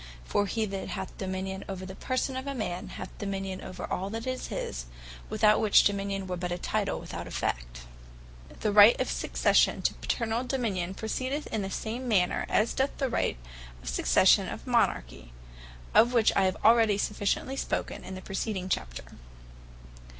For he that hath Dominion over the person of a man, hath Dominion over all that is his; without which, Dominion were but a Title, without the effect. The Right Of Succession Followeth The Rules Of The Rights Of Possession The Right of Succession to Paternall dominion, proceedeth in the same manner, as doth the Right of Succession to Monarchy; of which I have already sufficiently spoken in the precedent chapter.